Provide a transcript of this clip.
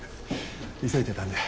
急いでたんで。